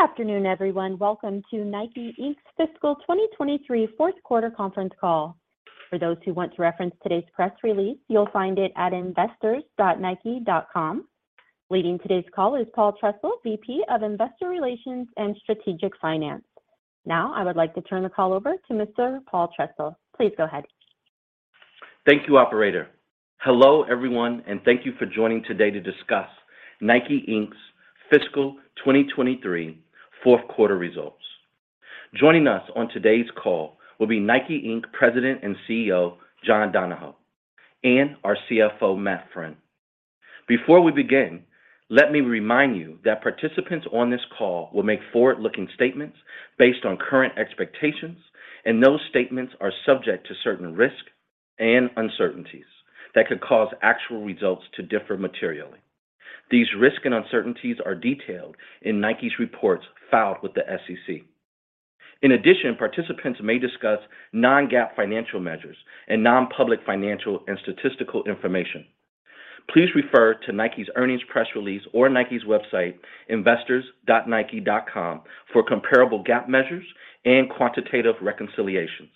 Good afternoon, everyone. Welcome to NIKE, Inc.'s fiscal 2023 fourth quarter conference call. For those who want to reference today's press release, you'll find it at investors.nike.com. Leading today's call is Paul Trussell, VP of Investor Relations and Strategic Finance. Now, I would like to turn the call over to Mr. Paul Trussell. Please go ahead. Thank you, operator. Hello, everyone, and thank you for joining today to discuss NIKE, Inc.'s fiscal 23 fourth quarter results. Joining us on today's call will be NIKE, Inc., President and CEO, John Donahoe, and our CFO, Matt Friend. Before we begin, let me remind you that participants on this call will make forward-looking statements based on current expectations. Those statements are subject to certain risks and uncertainties that could cause actual results to differ materially. These risks and uncertainties are detailed in Nike's reports filed with the SEC. In addition, participants may discuss non-GAAP financial measures and non-public financial and statistical information. Please refer to Nike's earnings press release or Nike's website, investors.nike.com, for comparable GAAP measures and quantitative reconciliations.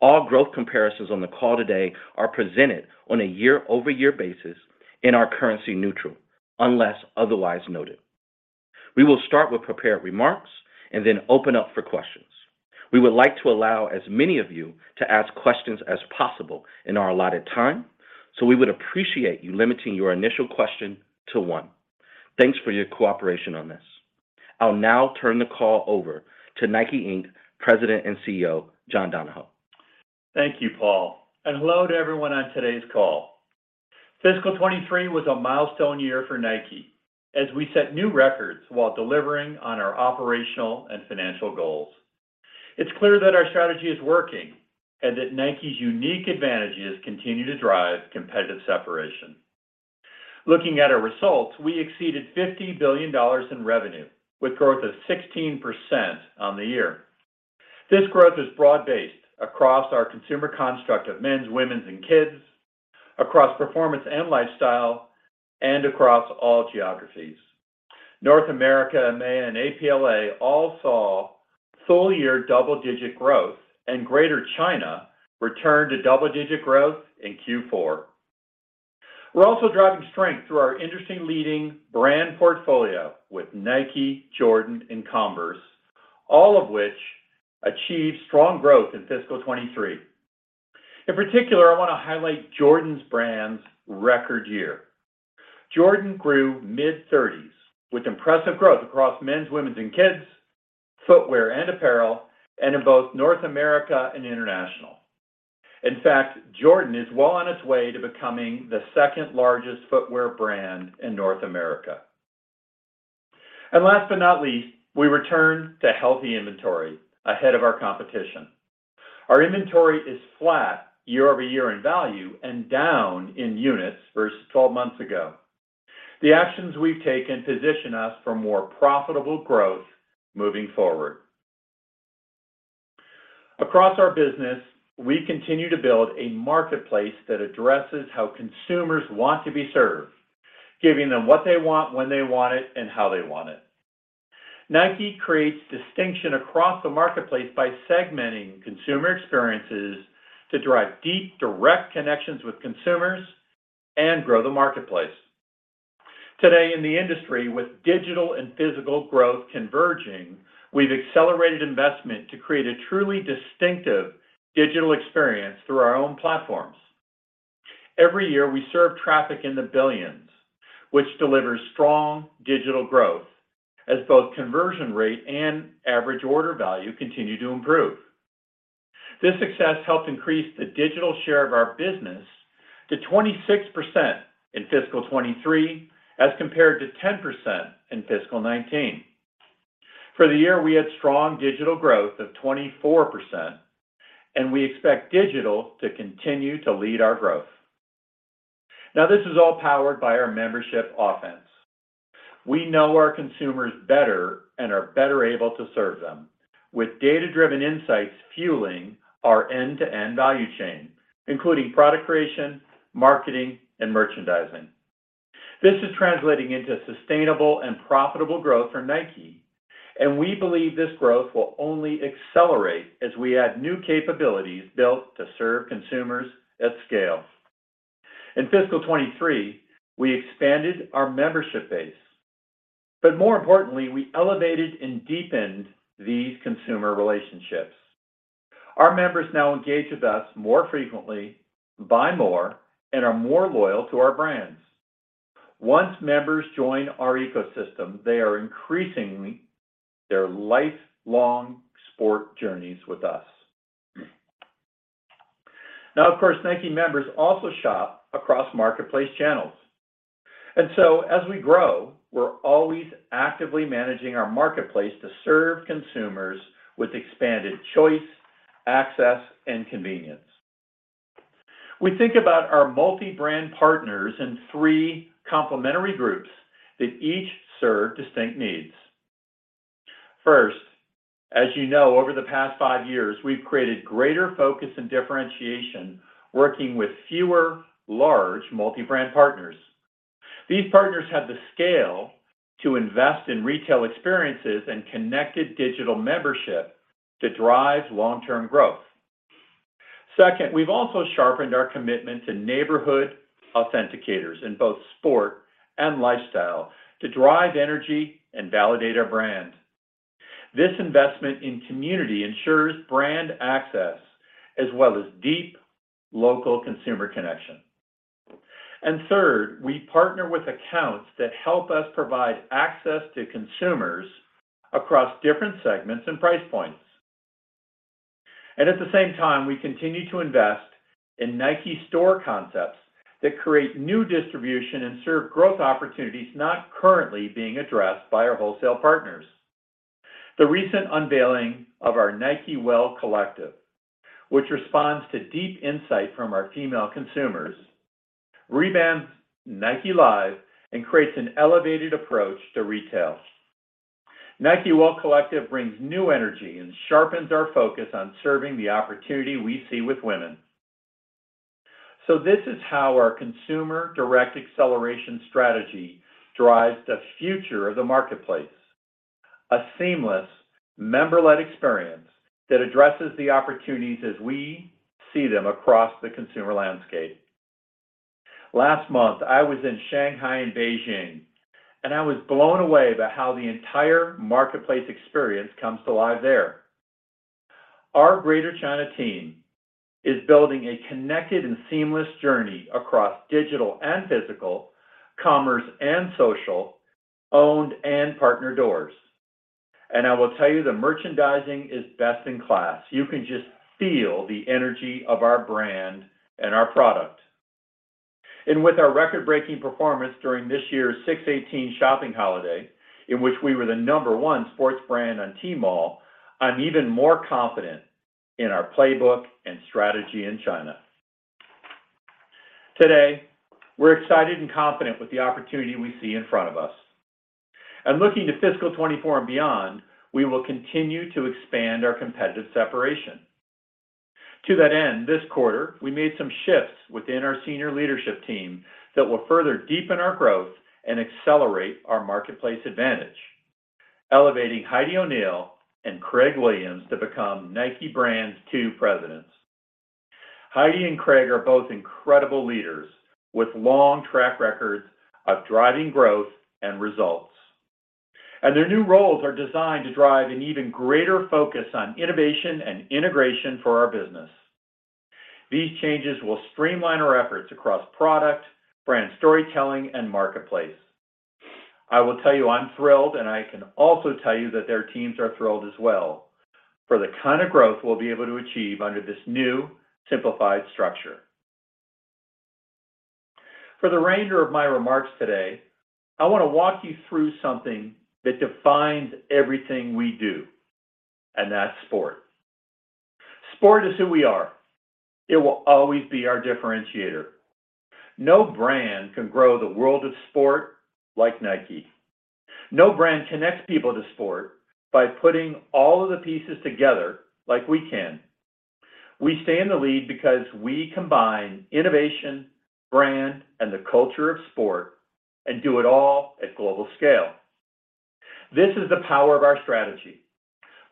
All growth comparisons on the call today are presented on a year-over-year basis and are currency neutral, unless otherwise noted. We will start with prepared remarks and then open up for questions. We would like to allow as many of you to ask questions as possible in our allotted time, we would appreciate you limiting your initial question to one. Thanks for your cooperation on this. I'll now turn the call over to NIKE, Inc. President and CEO, John Donahoe. Thank you, Paul, and hello to everyone on today's call. Fiscal 23 was a milestone year for Nike, as we set new records while delivering on our operational and financial goals. It's clear that our strategy is working and that Nike's unique advantages continue to drive competitive separation. Looking at our results, we exceeded $50 billion in revenue, with growth of 16% on the year. This growth is broad-based across our consumer construct of men's, women's, and kids, across performance and lifestyle, and across all geographies. North America, EMEA, and APLA all saw full-year double-digit growth. Greater China returned to double-digit growth in Q4. We're also driving strength through our industry leading brand portfolio with Nike, Jordan, and Converse, all of which achieved strong growth in fiscal 23. In particular, I want to highlight Jordan Brand's record year. Jordan grew mid-30s, with impressive growth across men's, women's, and kids, footwear and apparel, and in both North America and international. In fact, Jordan is well on its way to becoming the second largest footwear brand in North America. Last but not least, we return to healthy inventory ahead of our competition. Our inventory is flat year-over-year in value and down in units versus 12 months ago. The actions we've taken position us for more profitable growth moving forward. Across our business, we continue to build a marketplace that addresses how consumers want to be served, giving them what they want, when they want it, and how they want it. Nike creates distinction across the marketplace by segmenting consumer experiences to drive deep, direct connections with consumers and grow the marketplace. Today in the industry, with digital and physical growth converging, we've accelerated investment to create a truly distinctive digital experience through our own platforms. Every year, we serve traffic in the billions, which delivers strong digital growth as both conversion rate and average order value continue to improve. This success helped increase the digital share of our business to 26% in fiscal 23, as compared to 10% in fiscal 19. For the year, we had strong digital growth of 24%, and we expect digital to continue to lead our growth. This is all powered by our membership offense. We know our consumers better and are better able to serve them with data-driven insights fueling our end-to-end value chain, including product creation, marketing, and merchandising. This is translating into sustainable and profitable growth for Nike. We believe this growth will only accelerate as we add new capabilities built to serve consumers at scale. In fiscal 23, we expanded our membership base. More importantly, we elevated and deepened these consumer relationships. Our members now engage with us more frequently, buy more, and are more loyal to our brands. Once members join our ecosystem, they are increasingly their lifelong sport journeys with us. Of course, Nike members also shop across marketplace channels. As we grow, we're always actively managing our marketplace to serve consumers with expanded choice, access, and convenience. We think about our multi-brand partners in three complementary groups that each serve distinct needs. First. As you know, over the past five years, we've created greater focus and differentiation, working with fewer large multi-brand partners. These partners have the scale to invest in retail experiences and connected digital membership to drive long-term growth. Second, we've also sharpened our commitment to neighborhood authenticators in both sport and lifestyle to drive energy and validate our brand. This investment in community ensures brand access, as well as deep local consumer connection. Third, we partner with accounts that help us provide access to consumers across different segments and price points. At the same time, we continue to invest in Nike store concepts that create new distribution and serve growth opportunities not currently being addressed by our wholesale partners. The recent unveiling of our Nike Well Collective, which responds to deep insight from our female consumers, revamps Nike Live and creates an elevated approach to retail. Nike Well Collective brings new energy and sharpens our focus on serving the opportunity we see with women. This is how our Consumer Direct Acceleration strategy drives the future of the Marketplace. A seamless, member-led experience that addresses the opportunities as we see them across the consumer landscape. Last month, I was in Shanghai and Beijing, and I was blown away by how the entire Marketplace experience comes to life there. Our Greater China team is building a connected and seamless journey across digital and physical, commerce and social, owned and partner doors. I will tell you, the merchandising is best in class. You can just feel the energy of our brand and our product. With our record-breaking performance during this year's 6/18 shopping holiday, in which we were the Number 1 sports brand on Tmall, I'm even more confident in our playbook and strategy in China. Today, we're excited and confident with the opportunity we see in front of us. Looking to fiscal 24 and beyond, we will continue to expand our competitive separation. To that end, this quarter, we made some shifts within our senior leadership team that will further deepen our growth and accelerate our marketplace advantage, elevating Heidi O'Neill and Craig Williams to become Nike Brand's two presidents. Heidi and Craig are both incredible leaders with long track records of driving growth and results. Their new roles are designed to drive an even greater focus on innovation and integration for our business. These changes will streamline our efforts across product, brand storytelling, and marketplace. I will tell you, I'm thrilled, and I can also tell you that their teams are thrilled as well, for the kind of growth we'll be able to achieve under this new, simplified structure. For the remainder of my remarks today, I want to walk you through something that defines everything we do, and that's sport. Sport is who we are. It will always be our differentiator. No brand can grow the world of sport like Nike. No brand connects people to sport by putting all of the pieces together like we can. We stay in the lead because we combine innovation, brand, and the culture of sport, and do it all at global scale. This is the power of our strategy.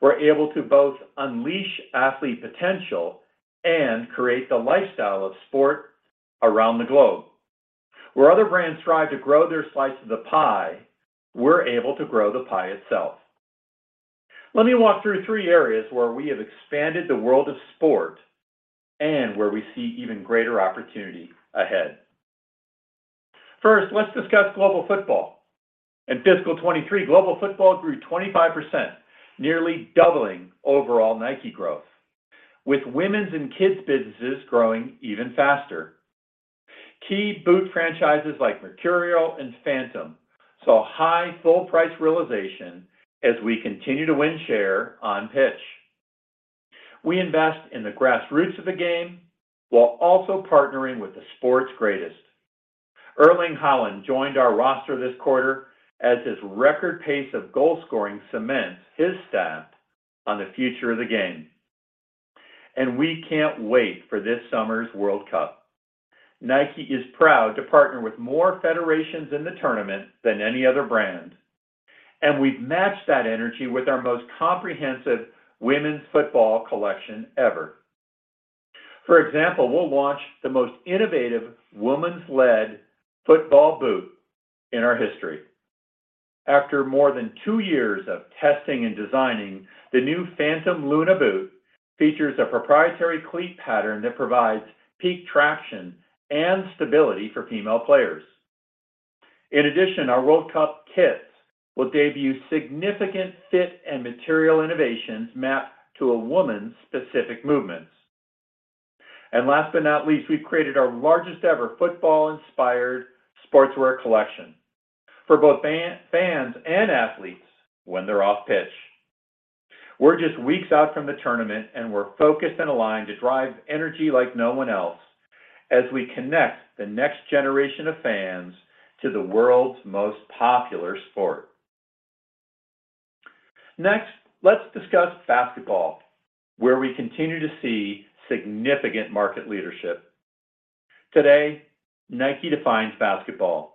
We're able to both unleash athlete potential and create the lifestyle of sport around the globe. Where other brands strive to grow their slice of the pie, we're able to grow the pie itself. Let me walk through three areas where we have expanded the world of sport and where we see even greater opportunity ahead. First, let's discuss Global Football. In fiscal 23, Global Football grew 25%, nearly doubling overall Nike growth, with women's and kids' businesses growing even faster. Key boot franchises like Mercurial and Phantom saw high full price realization as we continue to win share on pitch. We invest in the grassroots of the game while also partnering with the sport's greatest. Erling Haaland joined our roster this quarter as his record pace of goal scoring cements his stamp on the future of the game. We can't wait for this summer's World Cup. Nike is proud to partner with more federations in the tournament than any other brand, and we've matched that energy with our most comprehensive women's football collection ever. For example, we'll launch the most innovative women's-led football boot in our history. After more than two years of testing and designing, the new Phantom Luna boot features a proprietary cleat pattern that provides peak traction and stability for female players. In addition, our World Cup kits will debut significant fit and material innovations mapped to a woman's specific movements. Last but not least, we've created our largest ever football-inspired sportswear collection for both fans and athletes when they're off pitch. We're just weeks out from the tournament, and we're focused and aligned to drive energy like no one else as we connect the next generation of fans to the world's most popular sport. Next, let's discuss Basketball, where we continue to see significant market leadership. Today, Nike defines Basketball,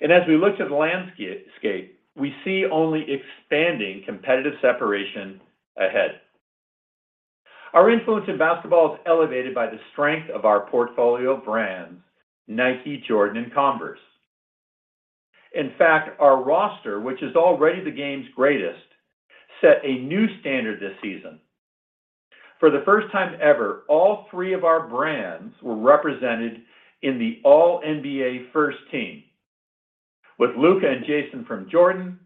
and as we look to the landscape, we see only expanding competitive separation ahead. Our influence in Basketball is elevated by the strength of our portfolio brands: Nike, Jordan, and Converse. In fact, our roster, which is already the game's greatest, set a new standard this season. For the first time ever, all three of our brands were represented in the All-NBA First Team, with Luka and Jayson from Jordan,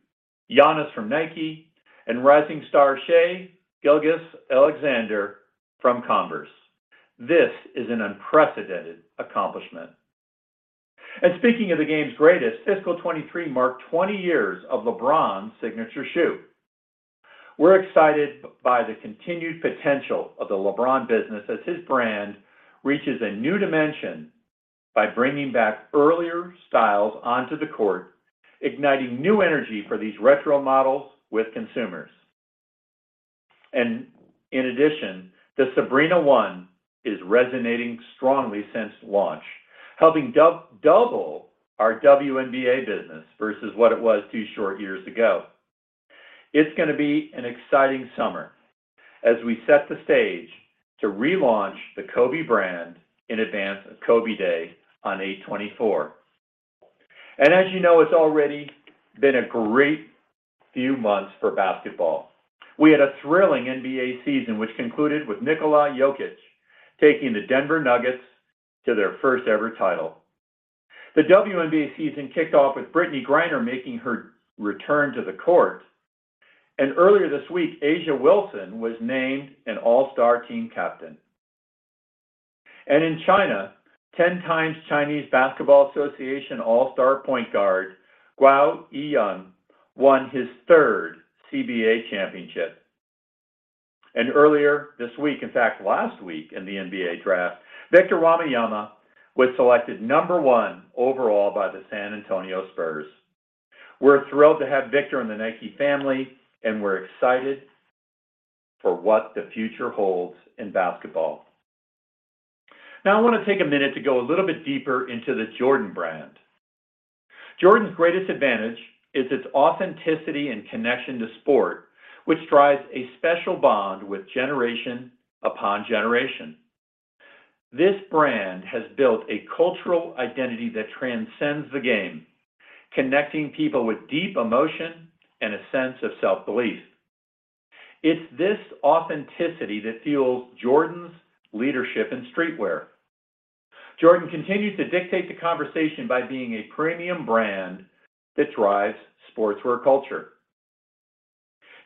Giannis from Nike, and rising star Shai Gilgeous-Alexander from Converse. This is an unprecedented accomplishment. Speaking of the game's greatest, fiscal 23 marked 20 years of LeBron's signature shoe. We're excited by the continued potential of the LeBron business as his brand reaches a new dimension by bringing back earlier styles onto the court, igniting new energy for these retro models with consumers. In addition, the Sabrina 1 is resonating strongly since launch, helping double our WNBA business versus what it was 2 short years ago. It's going to be an exciting summer as we set the stage to relaunch the Kobe Brand in advance of Kobe Day on 8/24. As you know, it's already been a great few months for Basketball. We had a thrilling NBA season, which concluded with Nikola Jokić taking the Denver Nuggets to their first ever title. The WNBA season kicked off with Brittney Griner making her return to the court, and earlier this week, A'ja Wilson was named an All-Star team captain. In China, 10 times Chinese Basketball Association All-Star point guard, Guo Ailun, won his third CBA championship. Earlier this week, in fact, last week in the NBA draft, Victor Wembanyama was selected No. 1 overall by the San Antonio Spurs. We're thrilled to have Victor in the Nike family, and we're excited for what the future holds in Basketball. I want to take a minute to go a little bit deeper into the Jordan Brand. Jordan's greatest advantage is its authenticity and connection to sport, which drives a special bond with generation upon generation. This brand has built a cultural identity that transcends the game, connecting people with deep emotion and a sense of self-belief. It's this authenticity that fuels Jordan's leadership in streetwear. Jordan continues to dictate the conversation by being a premium brand that drives sportswear culture.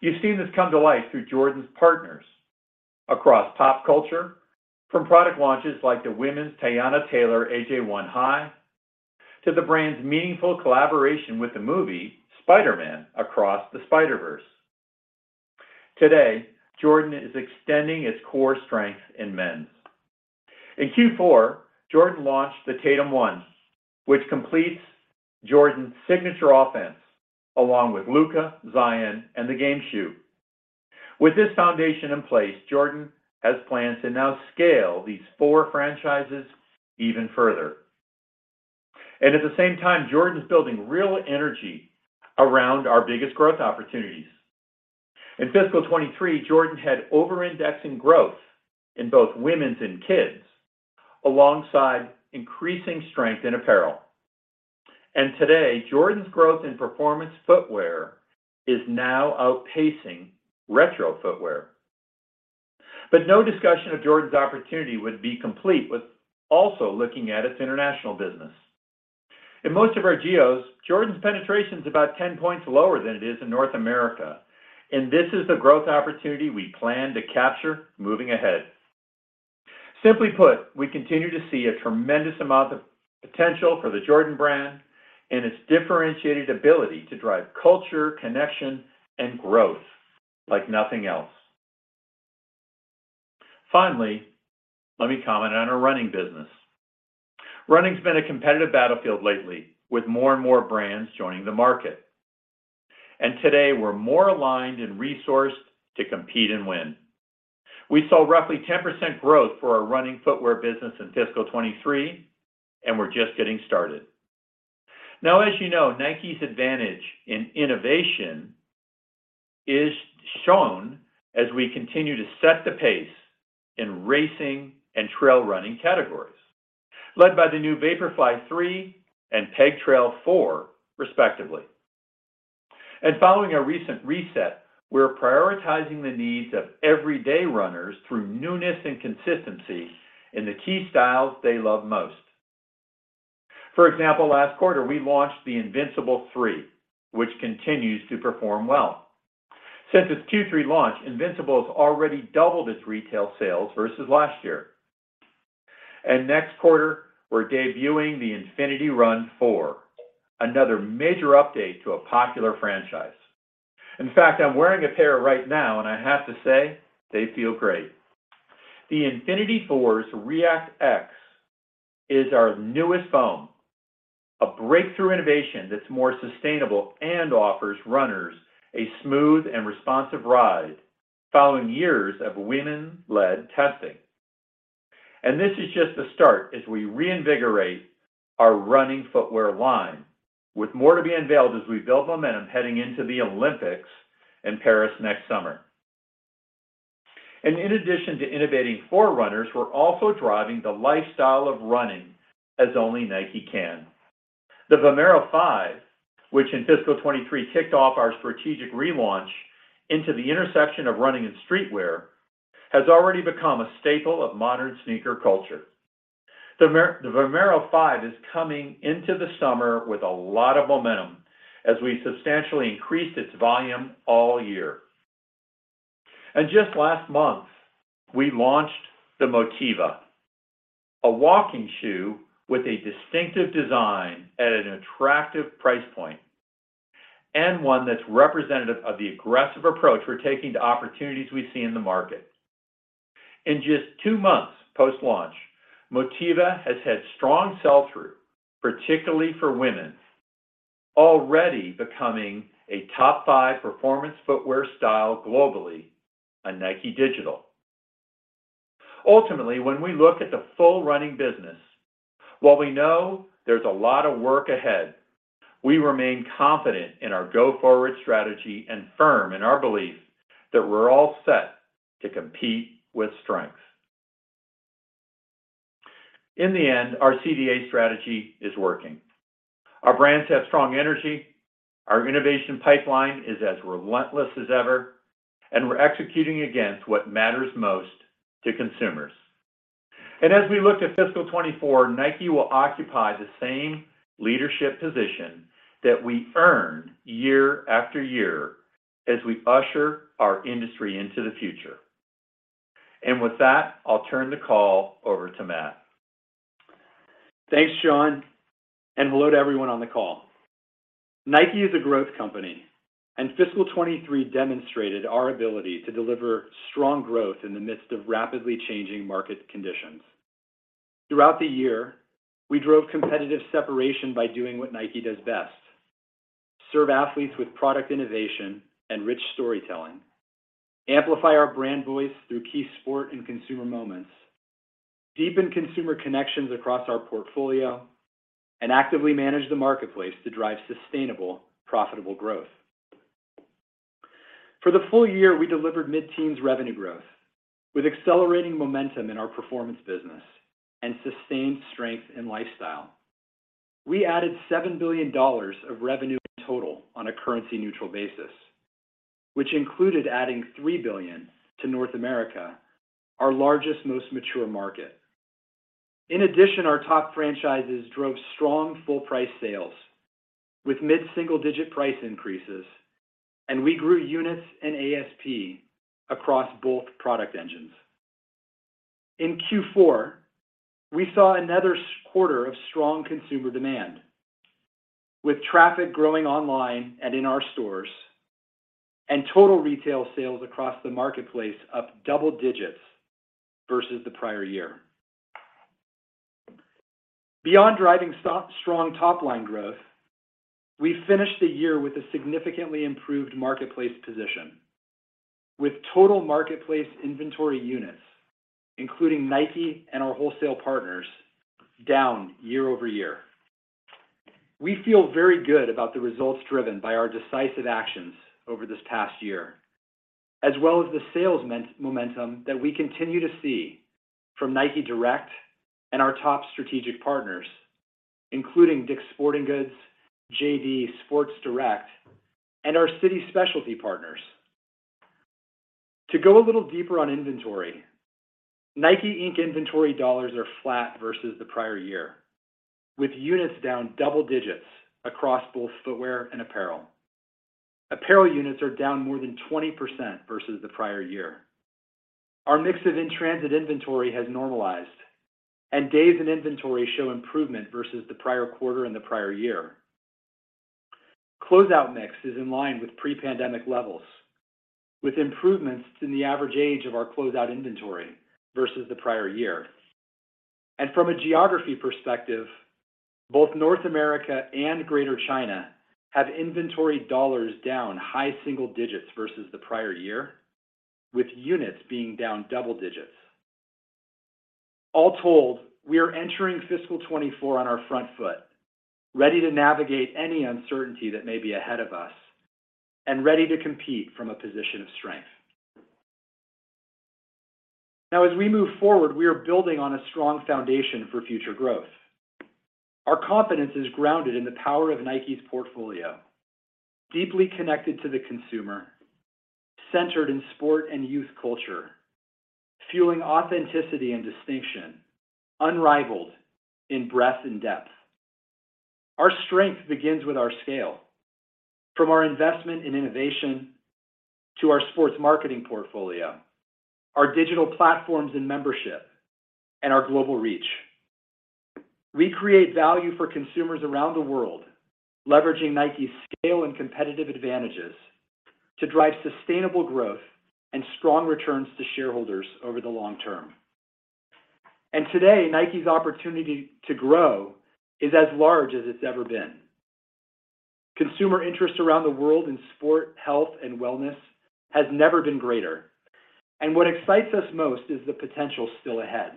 You've seen this come to life through Jordan's partners across pop culture, from product launches like the Women's Teyana Taylor AJ1 High to the brand's meaningful collaboration with the movie Spider-Man: Across the Spider-Verse. Today, Jordan is extending its core strength in Men's. In Q4, Jordan launched the Tatum 1, which completes Jordan's signature offense, along with Luka, Zion, and the Game Shoe. With this foundation in place, Jordan has plans to now scale these four franchises even further. At the same time, Jordan is building real energy around our biggest growth opportunities. In fiscal 23, Jordan had over-indexing growth in both Women's and Kids, alongside increasing strength in apparel. Today, Jordan's growth in performance footwear is now outpacing retro footwear. No discussion of Jordan's opportunity would be complete with also looking at its international business. In most of our geos, Jordan's penetration is about 10 points lower than it is in North America, and this is the growth opportunity we plan to capture moving ahead. Simply put, we continue to see a tremendous amount of potential for the Jordan Brand and its differentiated ability to drive culture, connection, and growth like nothing else. Finally, let me comment on our running business. Running's been a competitive battlefield lately, with more and more brands joining the market. Today, we're more aligned and resourced to compete and win. We saw roughly 10% growth for our running footwear business in fiscal 23, and we're just getting started. As you know, Nike's advantage in innovation is shown as we continue to set the pace in racing and Trail Running categories, led by the new Vaporfly 3 and Pegasus Trail 4, respectively. Following a recent reset, we're prioritizing the needs of everyday runners through newness and consistency in the key styles they love most. For example, last quarter, we launched the Invincible 3, which continues to perform well. Since its Q3 launch, Invincible has already doubled its retail sales versus last year. Next quarter, we're debuting the InfinityRN 4, another major update to a popular franchise. In fact, I'm wearing a pair right now, and I have to say, they feel great. The InfinityRN 4's ReactX is our newest foam, a breakthrough innovation that's more sustainable and offers runners a smooth and responsive ride following years of women-led testing. This is just the start as we reinvigorate our running footwear line, with more to be unveiled as we build momentum heading into the Olympics in Paris next summer. In addition to innovating for runners, we're also driving the lifestyle of running as only Nike can. The Vomero 5, which in fiscal 23, kicked off our strategic relaunch into the intersection of running and streetwear, has already become a staple of modern sneaker culture. The Vomero 5 is coming into the summer with a lot of momentum as we substantially increased its volume all year. Just last month, we launched the Motiva, a walking shoe with a distinctive design at an attractive price point, and one that's representative of the aggressive approach we're taking to opportunities we see in the market. In just two months post-launch, Motiva has had strong sell-through, particularly for women, already becoming a Top 5 performance footwear style globally on Nike Digital. Ultimately, when we look at the full running business, while we know there's a lot of work ahead, we remain confident in our go-forward strategy and firm in our belief that we're all set to compete with strength. In the end, our CDA strategy is working. Our brands have strong energy, our innovation pipeline is as relentless as ever, and we're executing against what matters most to consumers. As we look to fiscal 24, Nike will occupy the same leadership position that we earn year after year as we usher our industry into the future. With that, I'll turn the call over to Matt. Thanks, John. Hello to everyone on the call. NIKE is a growth company. Fiscal 23 demonstrated our ability to deliver strong growth in the midst of rapidly changing market conditions. Throughout the year, we drove competitive separation by doing what NIKE does best: serve athletes with product innovation and rich storytelling, amplify our brand voice through key sport and consumer moments, deepen consumer connections across our portfolio, and actively manage the marketplace to drive sustainable, profitable growth. For the full year, we delivered mid-teens revenue growth, with accelerating momentum in our performance business and sustained strength in lifestyle. We added $7 billion of revenue in total on a currency-neutral basis, which included adding $3 billion to North America, our largest, most mature market. In addition, our top franchises drove strong full price sales with mid-single-digit price increases, and we grew units and ASP across both product engines. In Q4, we saw another quarter of strong consumer demand, with traffic growing online and in our stores, and total retail sales across the marketplace up double digits versus the prior year. Beyond driving strong top-line growth, we finished the year with a significantly improved marketplace position, with total marketplace inventory units, including Nike and our wholesale partners, down year-over-year. We feel very good about the results driven by our decisive actions over this past year, as well as the sales momentum that we continue to see from NIKE Direct and our top strategic partners, including DICK'S Sporting Goods, JD Sports Direct, and our city specialty partners. To go a little deeper on inventory, NIKE, Inc. inventory dollars are flat versus the prior year, with units down double digits across both footwear and apparel. Apparel units are down more than 20% versus the prior year. Our mix of in-transit inventory has normalized, and days in inventory show improvement versus the prior quarter and the prior year. Closeout mix is in line with pre-pandemic levels, with improvements in the average age of our closeout inventory versus the prior year. From a geography perspective, both North America and Greater China have inventory dollars down high single digits versus the prior year, with units being down double digits. All told, we are entering fiscal 24 on our front foot, ready to navigate any uncertainty that may be ahead of us and ready to compete from a position of strength. Now, as we move forward, we are building on a strong foundation for future growth. Our confidence is grounded in the power of Nike's portfolio, deeply connected to the consumer, centered in sport and youth culture, fueling authenticity and distinction, unrivaled in breadth and depth. Our strength begins with our scale, from our investment in innovation to our sports marketing portfolio, our digital platforms and membership, and our global reach. We create value for consumers around the world, leveraging Nike's scale and competitive advantages to drive sustainable growth and strong returns to shareholders over the long term. Today, Nike's opportunity to grow is as large as it's ever been. Consumer interest around the world in sport, health, and wellness has never been greater, and what excites us most is the potential still ahead.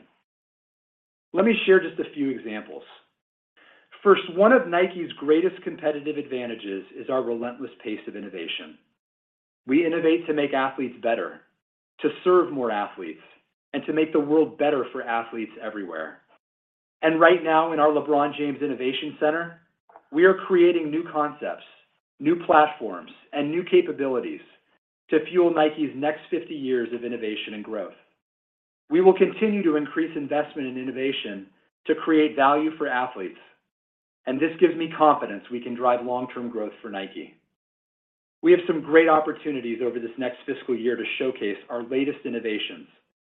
Let me share just a few examples. First, one of Nike's greatest competitive advantages is our relentless pace of innovation. We innovate to make athletes better, to serve more athletes, and to make the world better for athletes everywhere. Right now, in our LeBron James Innovation Center, we are creating new concepts, new platforms, and new capabilities to fuel Nike's next 50 years of innovation and growth. We will continue to increase investment in innovation to create value for athletes, this gives me confidence we can drive long-term growth for Nike. We have some great opportunities over this next fiscal year to showcase our latest innovations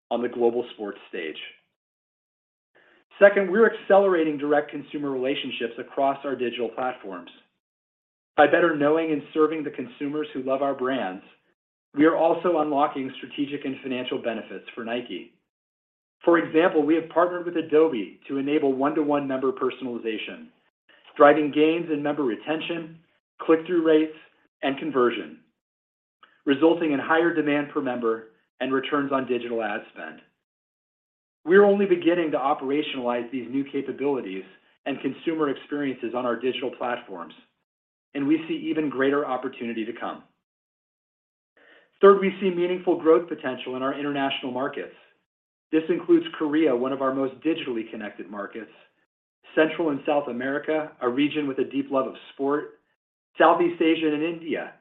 on the global sports stage. Second, we're accelerating direct consumer relationships across our digital platforms. By better knowing and serving the consumers who love our brands, we are also unlocking strategic and financial benefits for Nike. For example, we have partnered with Adobe to enable one-to-one member personalization, driving gains in member retention, click-through rates, and conversion, resulting in higher demand per member and returns on digital ad spend. We are only beginning to operationalize these new capabilities and consumer experiences on our digital platforms. We see even greater opportunity to come. Third, we see meaningful growth potential in our international markets. This includes Korea, one of our most digitally connected markets. Central and South America, a region with a deep love of sport. Southeast Asia and India,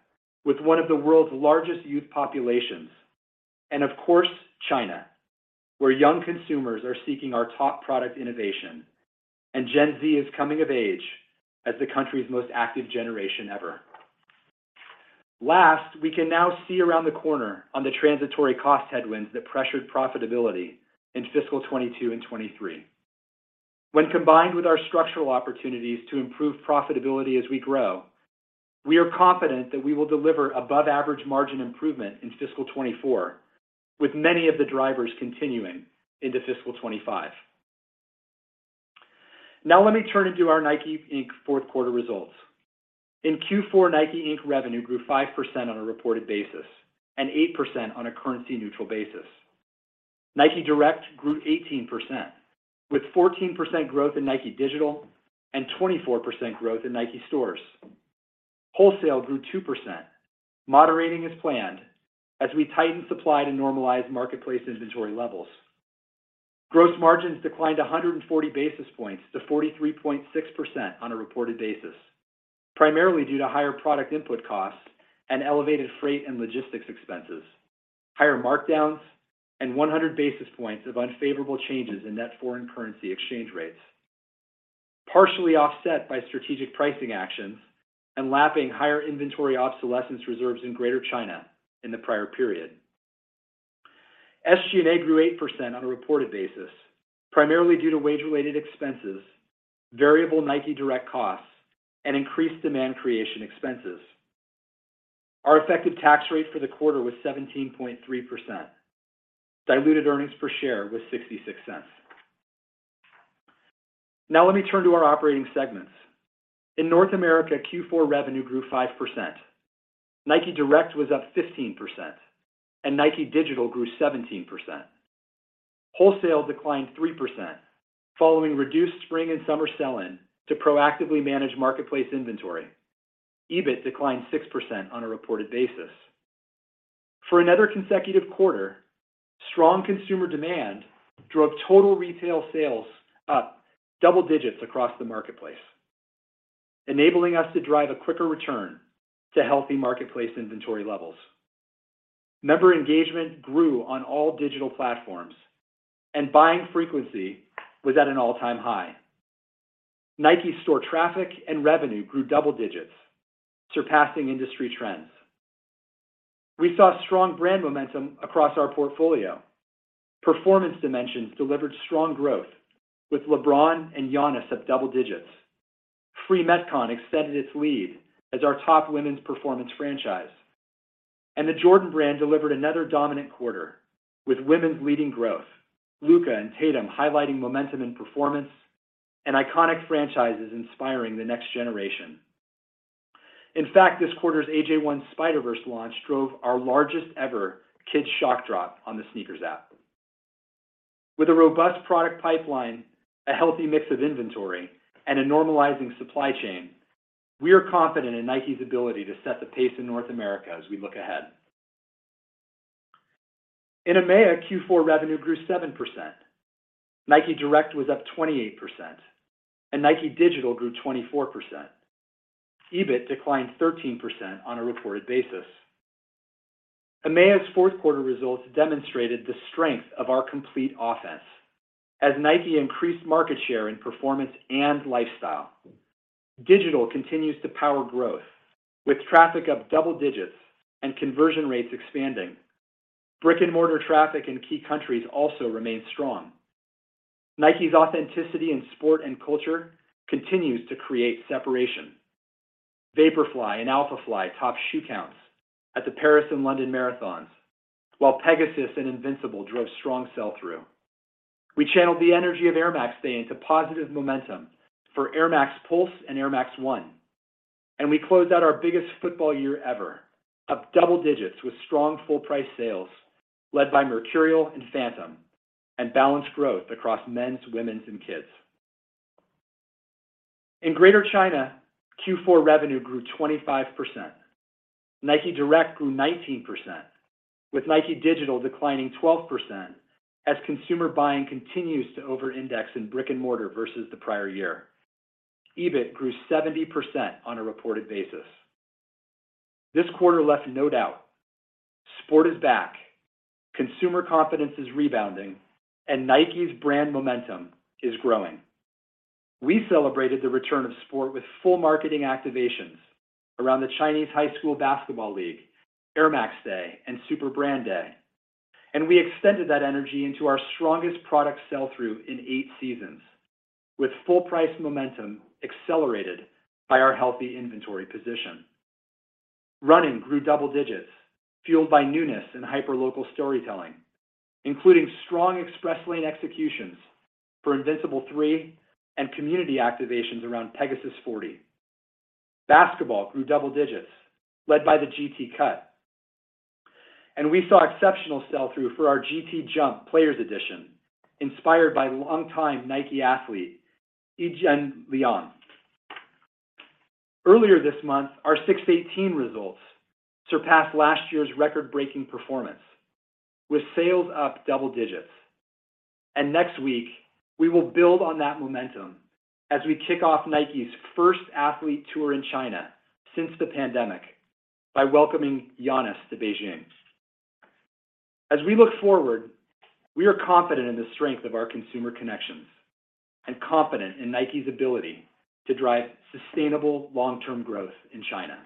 with one of the world's largest youth populations. Of course, China, where young consumers are seeking our top product innovation, and Gen Z is coming of age as the country's most active generation ever. Last, we can now see around the corner on the transitory cost headwinds that pressured profitability in fiscal 22 and 23. When combined with our structural opportunities to improve profitability as we grow, we are confident that we will deliver above average margin improvement in fiscal 24, with many of the drivers continuing into fiscal 25. Let me turn to our NIKE, Inc. fourth quarter results. In Q4, NIKE, Inc. revenue grew 5% on a reported basis and 8% on a currency neutral basis. NIKE Direct grew 18%, with 14% growth in NIKE Digital and 24% growth in NIKE Stores. Wholesale grew 2%, moderating as planned, as we tightened supply to normalize marketplace inventory levels. Gross margins declined 140 basis points to 43.6% on a reported basis, primarily due to higher product input costs and elevated freight and logistics expenses, higher markdowns, and 100 basis points of unfavorable changes in net foreign currency exchange rates, partially offset by strategic pricing actions and lapping higher inventory obsolescence reserves in Greater China in the prior period. SG&A grew 8% on a reported basis, primarily due to wage-related expenses, variable NIKE Direct costs, and increased demand creation expenses. Our effective tax rate for the quarter was 17.3%. Diluted earnings per share was $0.66. Let me turn to our operating segments. In North America, Q4 revenue grew 5%. NIKE Direct was up 15%, and NIKE Digital grew 17%. Wholesale declined 3%, following reduced spring and summer sell-in to proactively manage marketplace inventory. EBIT declined 6% on a reported basis. For another consecutive quarter, strong consumer demand drove total retail sales up double digits across the marketplace, enabling us to drive a quicker return to healthy marketplace inventory levels. Member engagement grew on all digital platforms, and buying frequency was at an all-time high. Nike store traffic and revenue grew double digits, surpassing industry trends. We saw strong brand momentum across our portfolio. Performance dimensions delivered strong growth with LeBron and Giannis of double digits. Free Metcon extended its lead as our top women's performance franchise, and the Jordan Brand delivered another dominant quarter with women's leading growth. Luka and Tatum highlighting momentum and performance and iconic franchises inspiring the next generation. In fact, this quarter's AJ1 Spider-Verse launch drove our largest ever Kids' Shock Drop on the SNKRS app. With a robust product pipeline, a healthy mix of inventory, and a normalizing supply chain, we are confident in Nike's ability to set the pace in North America as we look ahead. In EMEA, Q4 revenue grew 7%. Nike Direct was up 28%, and Nike Digital grew 24%. EBIT declined 13% on a reported basis. EMEA's fourth quarter results demonstrated the strength of our complete offense as Nike increased market share in performance and lifestyle.... Digital continues to power growth, with traffic up double digits and conversion rates expanding. Brick-and-mortar traffic in key countries also remains strong. Nike's authenticity in sport and culture continues to create separation. Vaporfly and Alphafly top shoe counts at the Paris and London Marathons, while Pegasus and Invincible drove strong sell-through. We channeled the energy of Air Max Day into positive momentum for Air Max Pulse and Air Max 1. We closed out our biggest football year ever, up double digits with strong full price sales led by Mercurial and Phantom, and balanced growth across men's, women's, and kids. In Greater China, Q4 revenue grew 25%. Nike Direct grew 19%, with Nike Digital declining 12% as consumer buying continues to over-index in brick-and-mortar versus the prior year. EBIT grew 70% on a reported basis. This quarter left no doubt: sport is back, consumer confidence is rebounding, and Nike's brand momentum is growing. We celebrated the return of sport with full marketing activations around the Chinese High School Basketball League, Air Max Day, and Super Brand Day. We extended that energy into our strongest product sell-through in eight seasons, with full price momentum accelerated by our healthy inventory position. Running grew double digits, fueled by newness and hyperlocal storytelling, including strong Express Lane executions for Invincible 3 and community activations around Pegasus 40. Basketball grew double digits, led by the G.T. Cut, and we saw exceptional sell-through for our G.T. Jump Players edition, inspired by longtime Nike athlete, Yi Jianlian. Earlier this month, our 618 results surpassed last year's record-breaking performance, with sales up double digits. Next week, we will build on that momentum as we kick off Nike's first athlete tour in China since the pandemic by welcoming Giannis to Beijing. As we look forward, we are confident in the strength of our consumer connections and confident in Nike's ability to drive sustainable long-term growth in China.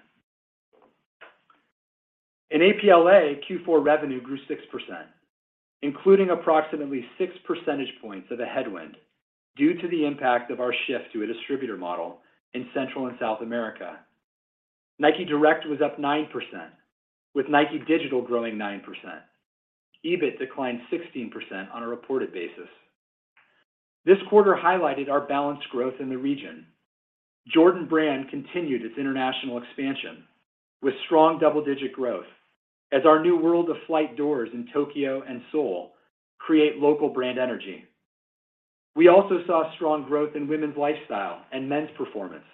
In APLA, Q4 revenue grew 6%, including approximately 6 percentage points of a headwind due to the impact of our shift to a distributor model in Central and South America. Nike Direct was up 9%, with Nike Digital growing 9%. EBIT declined 16% on a reported basis. This quarter highlighted our balanced growth in the region. Jordan Brand continued its international expansion with strong double-digit growth as our new World of Flight doors in Tokyo and Seoul create local brand energy. We also saw strong growth in women's lifestyle and men's performance,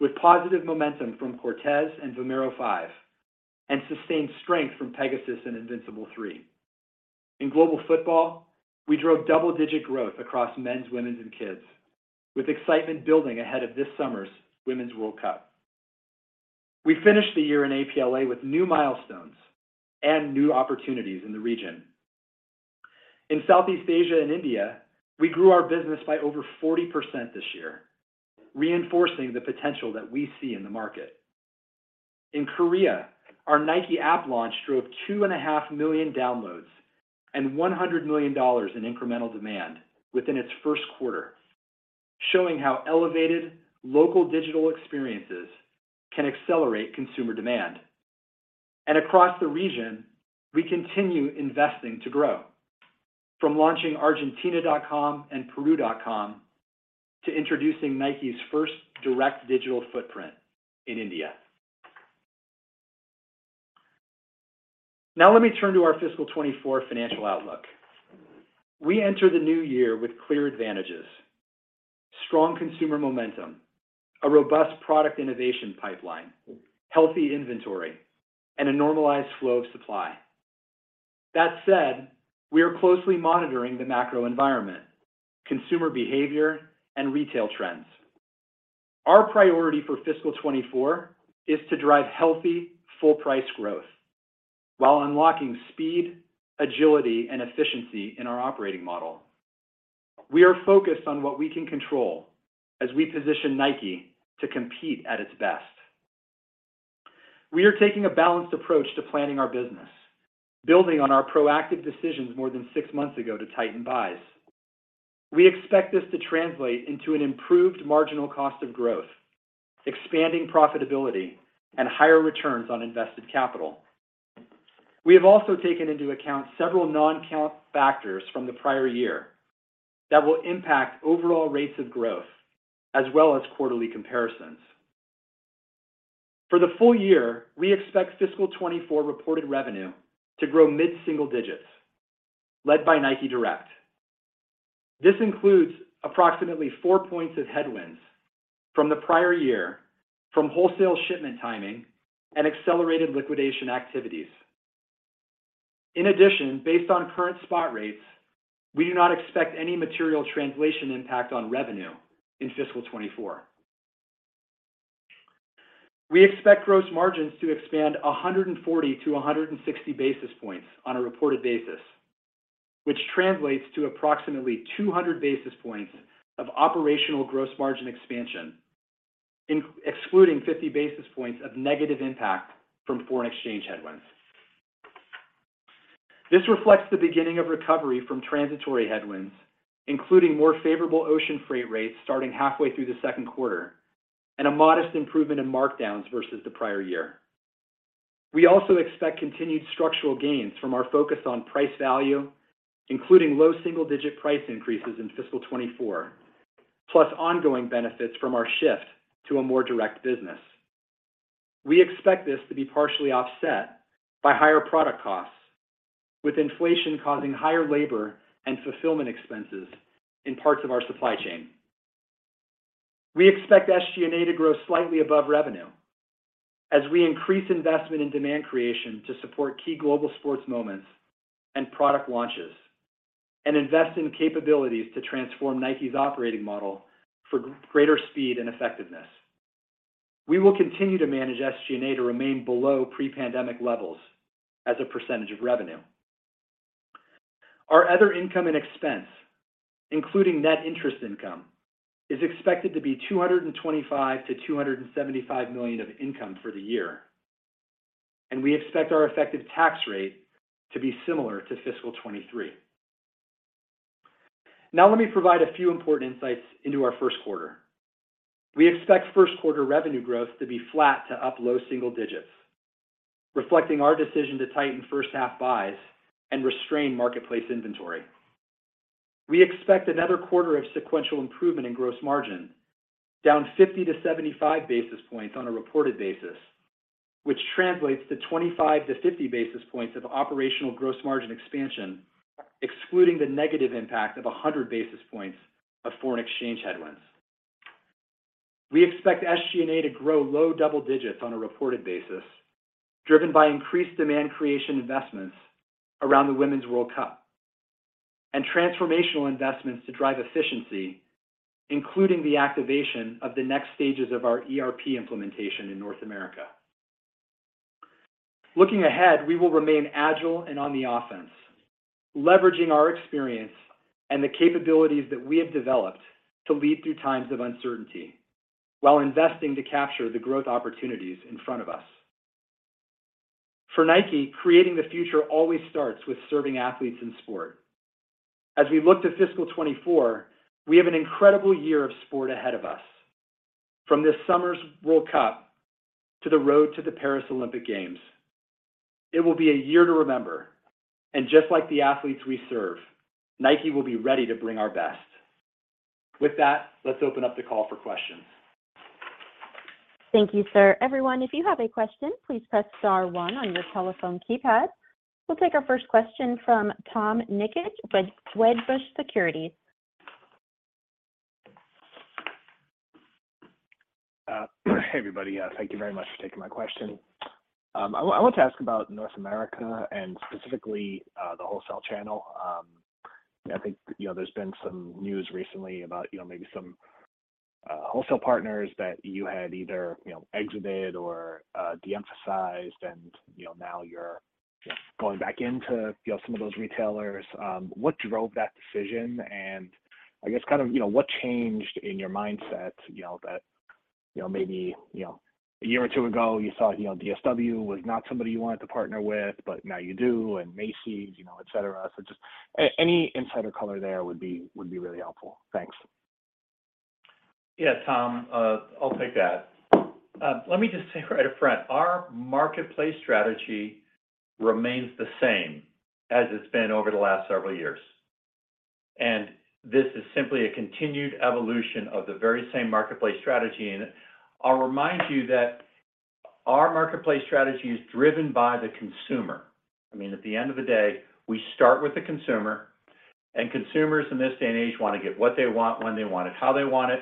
with positive momentum from Cortez and Vomero 5, and sustained strength from Pegasus and Invincible 3. In global football, we drove double-digit growth across men's, women's, and kids, with excitement building ahead of this summer's Women's World Cup. We finished the year in APLA with new milestones and new opportunities in the region. In Southeast Asia and India, we grew our business by over 40% this year, reinforcing the potential that we see in the market. In Korea, our Nike App launch drove 2.5 million downloads and $100 million in incremental demand within its 1st quarter, showing how elevated local digital experiences can accelerate consumer demand. Across the region, we continue investing to grow, from launching nike.com.ar and nike.com.pe, to introducing Nike's first direct digital footprint in India. Now, let me turn to our fiscal 24 financial outlook. We enter the new year with clear advantages: strong consumer momentum, a robust product innovation pipeline, healthy inventory, and a normalized flow of supply. That said, we are closely monitoring the macro environment, consumer behavior, and retail trends. Our priority for fiscal 24 is to drive healthy, full price growth while unlocking speed, agility, and efficiency in our operating model. We are focused on what we can control as we position Nike to compete at its best. We are taking a balanced approach to planning our business, building on our proactive decisions more than six months ago to tighten buys. We expect this to translate into an improved marginal cost of growth, expanding profitability, and higher returns on invested capital. We have also taken into account several non-comp factors from the prior year that will impact overall rates of growth, as well as quarterly comparisons. For the full year, we expect fiscal 24 reported revenue to grow mid-single digits, led by Nike Direct. This includes approximately 4 points of headwinds from the prior year from wholesale shipment timing and accelerated liquidation activities. In addition, based on current spot rates, we do not expect any material translation impact on revenue in fiscal 24. We expect gross margins to expand 140 to 160 basis points on a reported basis, which translates to approximately 200 basis points of operational gross margin expansion, excluding 50 basis points of negative impact from foreign exchange headwinds. This reflects the beginning of recovery from transitory headwinds, including more favorable ocean freight rates starting halfway through the second quarter and a modest improvement in markdowns versus the prior year. We also expect continued structural gains from our focus on price value, including low single-digit price increases in fiscal 24, plus ongoing benefits from our shift to a more direct business. We expect this to be partially offset by higher product costs, with inflation causing higher labor and fulfillment expenses in parts of our supply chain. We expect SG&A to grow slightly above revenue as we increase investment in demand creation to support key global sports moments and product launches and invest in capabilities to transform Nike's operating model for greater speed and effectiveness. We will continue to manage SG&A to remain below pre-pandemic levels as a percentage of revenue. Our other income and expense, including net interest income, is expected to be $225 million-$275 million of income for the year, and we expect our effective tax rate to be similar to fiscal 23. Let me provide a few important insights into our first quarter. We expect first quarter revenue growth to be flat to up low single digits, reflecting our decision to tighten first half buys and restrain marketplace inventory. We expect another quarter of sequential improvement in gross margin, down 50 to 75 basis points on a reported basis, which translates to 25 to 50 basis points of operational gross margin expansion, excluding the negative impact of 100 basis points of foreign exchange headwinds. We expect SG&A to grow low double digits on a reported basis, driven by increased demand creation investments around the Women's World Cup, and transformational investments to drive efficiency, including the activation of the next stages of our ERP implementation in North America. Looking ahead, we will remain agile and on the offense, leveraging our experience and the capabilities that we have developed to lead through times of uncertainty while investing to capture the growth opportunities in front of us. For Nike, creating the future always starts with serving athletes in sport. As we look to fiscal 24, we have an incredible year of sport ahead of us. From this summer's World Cup to the road to the Paris Olympic Games, it will be a year to remember, and just like the athletes we serve, Nike will be ready to bring our best. With that, let's open up the call for questions. Thank you, sir. Everyone, if you have a question, please press star one on your telephone keypad. We'll take our first question from Tom Nikic, Wedbush Securities. Hey, everybody. Thank you very much for taking my question. I want to ask about North America and specifically, the wholesale channel. I think, you know, there's been some news recently about, you know, maybe some wholesale partners that you had either, you know, exited or de-emphasized and, you know, now you're, you know, going back in to, you know, some of those retailers. What drove that decision? I guess kind of, you know, what changed in your mindset, you know, that, you know, maybe, you know, a year or two ago, you thought, you know, DSW was not somebody you wanted to partner with, but now you do, and Macy's, you know, et cetera. Just any insight or color there would be, would be really helpful. Thanks. Yeah, Tom, I'll take that. Let me just say right up front, our marketplace strategy remains the same as it's been over the last several years. This is simply a continued evolution of the very same marketplace strategy. I'll remind you that our marketplace strategy is driven by the consumer. I mean, at the end of the day, we start with the consumer. Consumers in this day and age want to get what they want, when they want it, how they want it.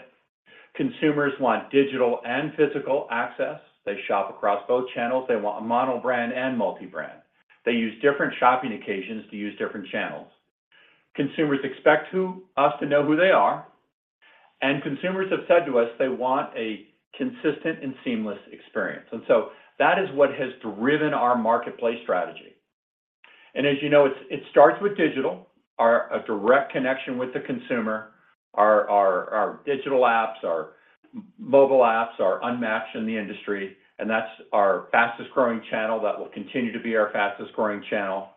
Consumers want digital and physical access. They shop across both channels. They want a mono brand and multi-brand. They use different shopping occasions to use different channels. Consumers expect us to know who they are, and consumers have said to us they want a consistent and seamless experience. That is what has driven our marketplace strategy. As you know, it starts with digital, a direct connection with the consumer. Our digital apps, our mobile apps are unmatched in the industry, and that's our fastest-growing channel. That will continue to be our fastest-growing channel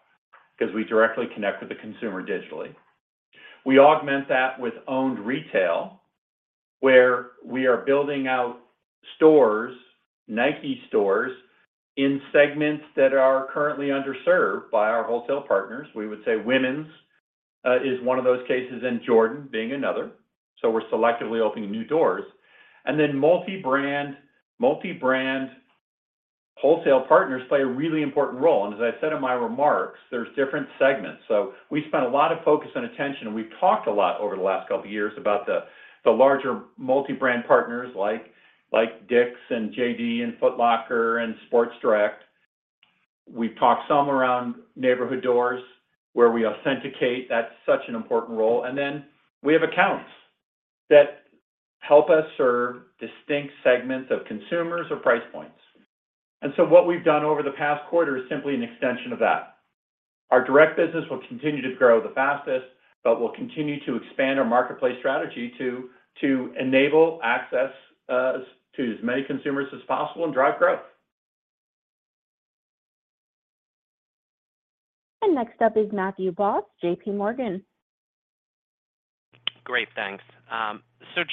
because we directly connect with the consumer digitally. We augment that with owned retail, where we are building out stores, Nike stores, in segments that are currently underserved by our wholesale partners. We would say women's is one of those cases, and Jordan being another. We're selectively opening new doors. Multi-brand wholesale partners play a really important role. As I said in my remarks, there's different segments. We spent a lot of focus and attention, and we've talked a lot over the last couple of years about the larger multi-brand partners like DICK'S and JD and Foot Locker and Sports Direct. We've talked some around neighborhood doors, where we authenticate. That's such an important role. We have accounts that help us serve distinct segments of consumers or price points. What we've done over the past quarter is simply an extension of that. Our direct business will continue to grow the fastest, but we'll continue to expand our marketplace strategy to enable access to as many consumers as possible and drive growth. Next up is Matthew Boss, JPMorgan. Great, thanks.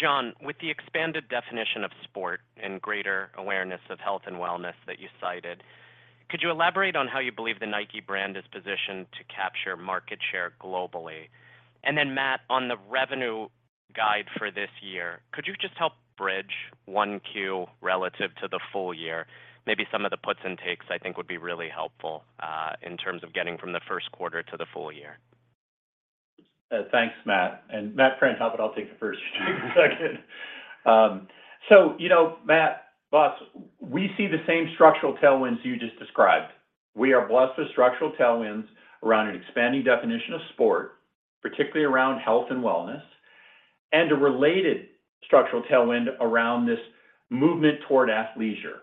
John, with the expanded definition of sport and greater awareness of health and wellness that you cited, could you elaborate on how you believe the Nike brand is positioned to capture market share globally? Matt, on the revenue guide for this year, could you just help bridge 1Q relative to the full year? Maybe some of the puts and takes, I think, would be really helpful, in terms of getting from the first quarter to the full year. Thanks, Matt. Matt Friend help, but I'll take the first second. You know, Matt Boss, we see the same structural tailwinds you just described. We are blessed with structural tailwinds around an expanding definition of sport, particularly around health and wellness, and a related structural tailwind around this movement toward athleisure.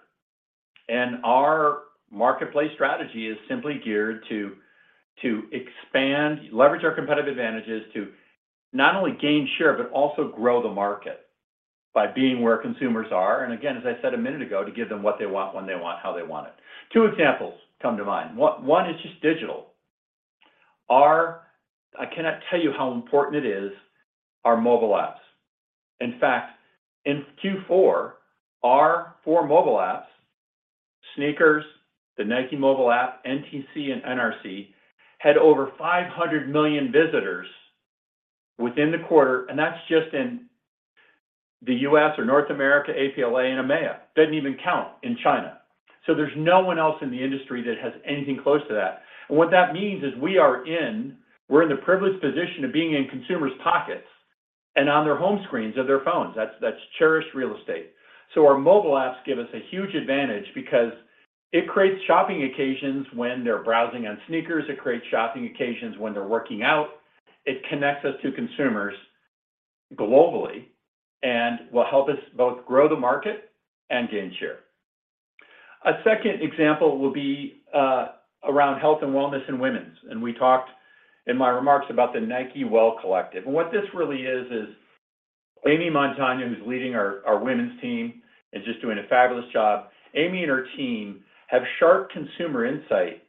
Our marketplace strategy is simply geared to expand, leverage our competitive advantages to not only gain share, but also grow the market by being where consumers are. Again, as I said a minute ago, to give them what they want, when they want, how they want it. Two examples come to mind. One is just digital. I cannot tell you how important it is, our mobile apps. In fact, in Q4, our four mobile apps, SNKRS, the Nike mobile app, NTC and NRC, had over 500 million visitors within the quarter. That's just in the US or North America, APLA and EMEA. Doesn't even count in China. There's no one else in the industry that has anything close to that. What that means is we're in the privileged position of being in consumers' pockets and on their home screens of their phones. That's cherished real estate. Our mobile apps give us a huge advantage because it creates shopping occasions when they're browsing on sneakers. It creates shopping occasions when they're working out. It connects us to consumers globally and will help us both grow the market and gain share. A second example will be around health and wellness in women's. We talked in my remarks about the Nike Well Collective. What this really is Amy Montagne, who's leading our Women's team, and just doing a fabulous job. Amy and her team have sharp consumer insight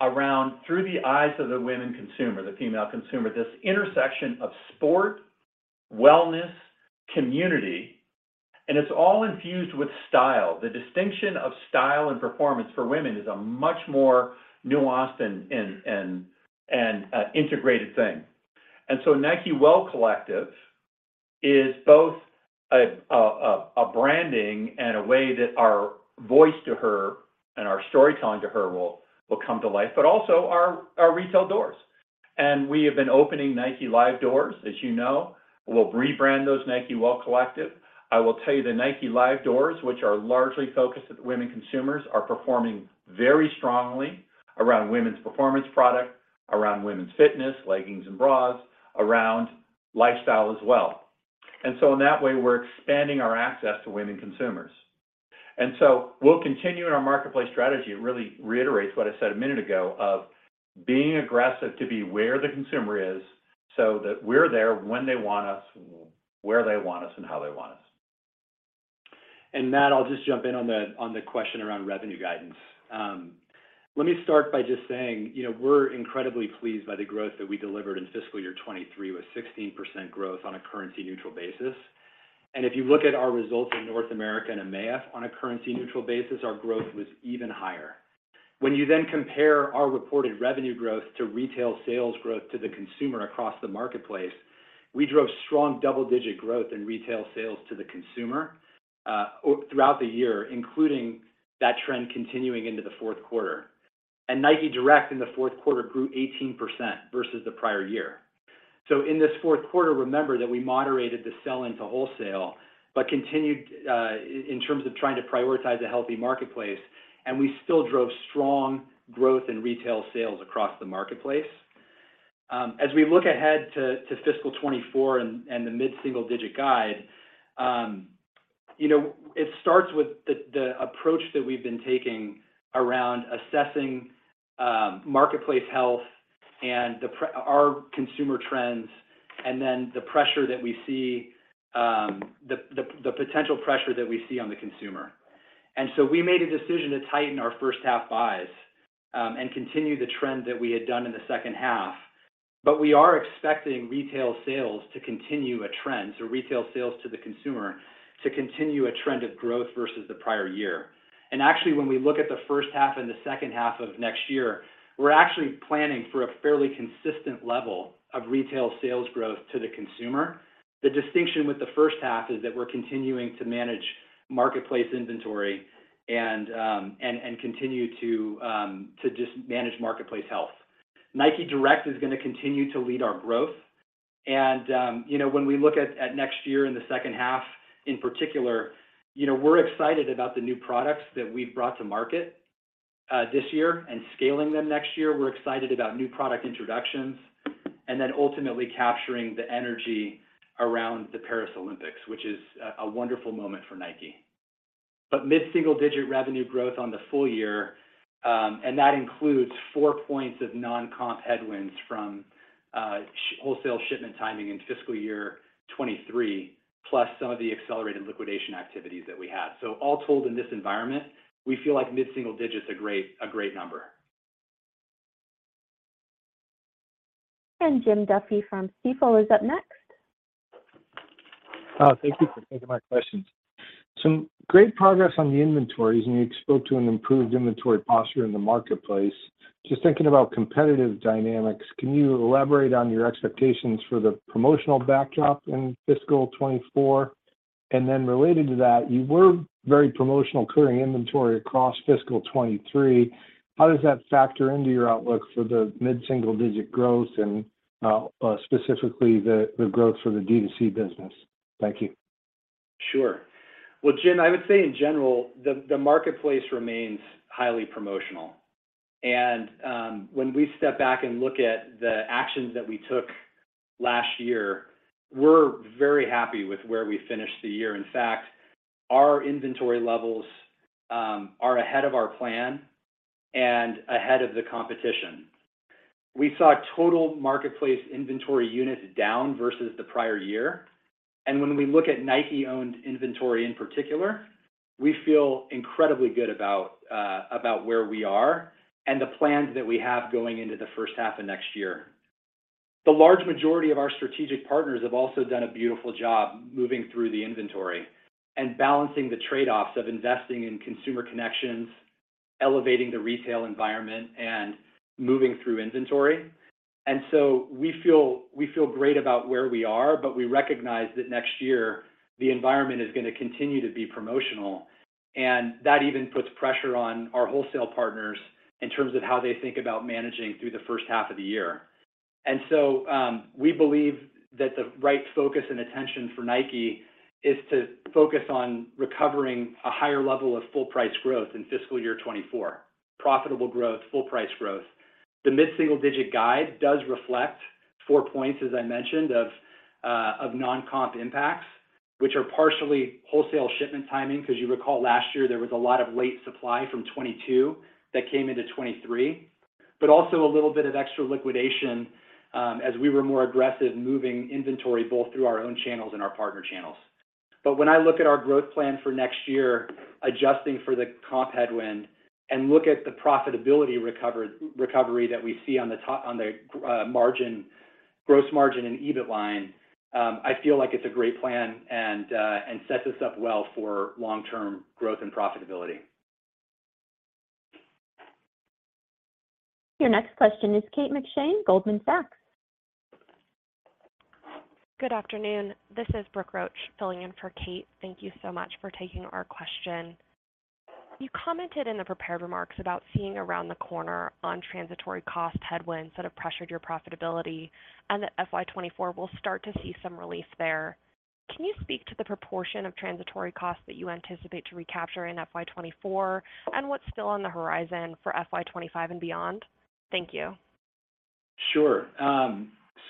around through the eyes of the women consumer, the female consumer, this intersection of sport, wellness, community, and it's all infused with style. The distinction of style and performance for women is a much more nuanced and integrated thing. So Nike Well Collective is both a branding and a way that our voice to her and our storytelling to her will come to life, but also our retail doors. We have been opening Nike Live doors, as you know. We'll rebrand those Nike Well Collective. I will tell you, the Nike Live doors, which are largely focused at women consumers, are performing very strongly around women's performance product, around women's fitness, leggings and bras, around lifestyle as well. In that way, we're expanding our access to women consumers. We'll continue in our marketplace strategy. It really reiterates what I said a minute ago of being aggressive to be where the consumer is, so that we're there when they want us, where they want us, and how they want us. Matt, I'll just jump in on the question around revenue guidance. Let me start by just saying, you know, we're incredibly pleased by the growth that we delivered in fiscal year 23, with 16% growth on a currency neutral basis. If you look at our results in North America and EMEA on a currency neutral basis, our growth was even higher. When you then compare our reported revenue growth to retail sales growth to the consumer across the marketplace, we drove strong double-digit growth in retail sales to the consumer throughout the year, including that trend continuing into the fourth quarter. Nike Direct in the fourth quarter grew 18% versus the prior year. In this fourth quarter, remember that we moderated the sell into wholesale, but continued in terms of trying to prioritize a healthy marketplace, and we still drove strong growth in retail sales across the marketplace. As we look ahead to fiscal 24 and the mid-single digit guide, you know, it starts with the approach that we've been taking around assessing marketplace health and our consumer trends, and then the pressure that we see, the potential pressure that we see on the consumer. We made a decision to tighten our first half buys and continue the trend that we had done in the second half. We are expecting retail sales to continue a trend, so retail sales to the consumer to continue a trend of growth versus the prior year. Actually, when we look at the first half and the second half of next year, we're actually planning for a fairly consistent level of retail sales growth to the consumer. The distinction with the first half is that we're continuing to manage marketplace inventory and continue to manage marketplace health. Nike Direct is going to continue to lead our growth. You know, when we look at next year in the second half, in particular, you know, we're excited about the new products that we've brought to market this year and scaling them next year. We're excited about new product introductions, and then ultimately capturing the energy around the Paris Olympics, which is a wonderful moment for Nike. Mid-single-digit revenue growth on the full year, and that includes 4 points of non-comp headwinds from wholesale shipment timing in fiscal year 23, plus some of the accelerated liquidation activities that we had. All told in this environment, we feel like mid-single digits a great number. Jim Duffy from Stifel is up next. Thank you for taking my questions. Some great progress on the inventories. You spoke to an improved inventory posture in the marketplace. Just thinking about competitive dynamics, can you elaborate on your expectations for the promotional backdrop in fiscal 24? Related to that, you were very promotional clearing inventory across fiscal 23. How does that factor into your outlook for the mid-single digit growth and specifically the growth for the D2C business? Thank you. Sure. Well, Jim, I would say in general, the marketplace remains highly promotional. When we step back and look at the actions that we took last year, we're very happy with where we finished the year. In fact, our inventory levels are ahead of our plan and ahead of the competition. We saw total marketplace inventory units down versus the prior year. When we look at Nike-owned inventory in particular, we feel incredibly good about where we are and the plans that we have going into the first half of next year. The large majority of our strategic partners have also done a beautiful job moving through the inventory and balancing the trade-offs of investing in consumer connections, elevating the retail environment, and moving through inventory. We feel great about where we are, but we recognize that next year, the environment is gonna continue to be promotional, and that even puts pressure on our wholesale partners in terms of how they think about managing through the first half of the year. We believe that the right focus and attention for Nike is to focus on recovering a higher level of full price growth in fiscal year 24. Profitable growth, full price growth. The mid-single digit guide does reflect 4 points, as I mentioned, of non-comp impacts, which are partially wholesale shipment timing. You recall last year, there was a lot of late supply from 2022 that came into 2023, but also a little bit of extra liquidation, as we were more aggressive moving inventory, both through our own channels and our partner channels. When I look at our growth plan for next year, adjusting for the comp headwind, and look at the profitability recovery that we see on the margin, gross margin and EBIT line, I feel like it's a great plan and sets us up well for long-term growth and profitability. Your next question is Kate McShane, Goldman Sachs. Good afternoon. This is Brooke Roach filling in for Kate. Thank you so much for taking our question. You commented in the prepared remarks about seeing around the corner on transitory cost headwinds that have pressured your profitability, and that FY 24 will start to see some relief there. Can you speak to the proportion of transitory costs that you anticipate to recapture in FY 24, and what's still on the horizon for FY 25 and beyond? Thank you. Sure.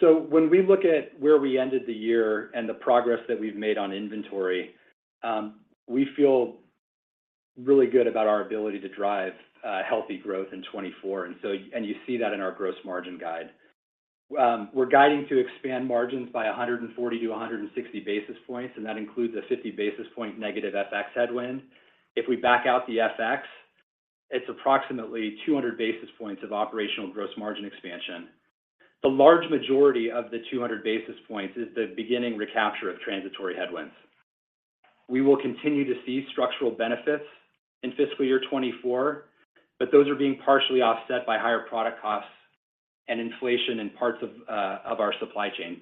When we look at where we ended the year and the progress that we've made on inventory, we feel really good about our ability to drive healthy growth in 2024, and you see that in our gross margin guide. We're guiding to expand margins by 140-160 basis points, and that includes a 50 basis point negative FX headwind. If we back out the FX, it's approximately 200 basis points of operational gross margin expansion. The large majority of the 200 basis points is the beginning recapture of transitory headwinds. We will continue to see structural benefits in fiscal year 2024, those are being partially offset by higher product costs and inflation in parts of our supply chain.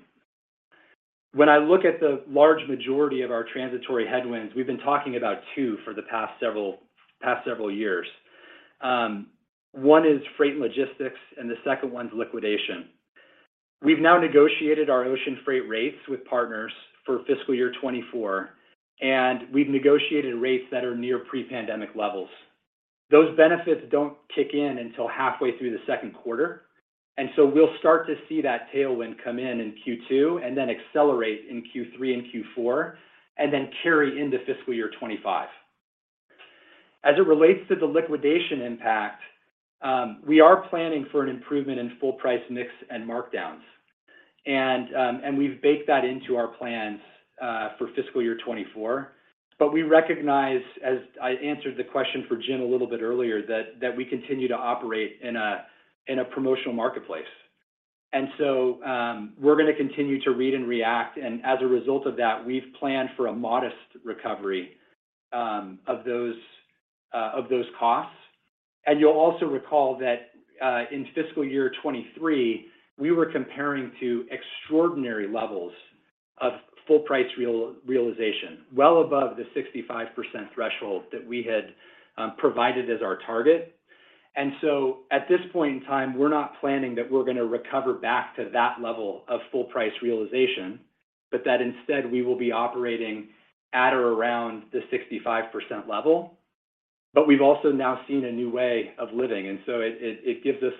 When I look at the large majority of our transitory headwinds, we've been talking about two for the past several years. One is freight and logistics, and the 2nd one's liquidation. We've now negotiated our ocean freight rates with partners for fiscal year 24, and we've negotiated rates that are near pre-pandemic levels. Those benefits don't kick in until halfway through the second quarter, and so we'll start to see that tailwind come in in Q2, and then accelerate in Q3 and Q4, and then carry into fiscal year 25. As it relates to the liquidation impact, we are planning for an improvement in full price mix and markdowns. We've baked that into our plans for fiscal year 24. We recognize, as I answered the question for Jim a little bit earlier, that we continue to operate in a promotional marketplace. We're going to continue to read and react, and as a result of that, we've planned for a modest recovery of those costs. You'll also recall that in fiscal year 23, we were comparing to extraordinary levels of full price realization, well above the 65% threshold that we had provided as our target. At this point in time, we're not planning that we're going to recover back to that level of full price realization, but that instead, we will be operating at or around the 65% level. We've also now seen a new way of living, and so it gives us